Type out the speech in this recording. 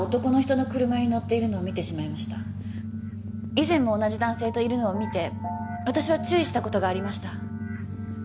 以前も同じ男性といるのを見て私は注意した事がありました。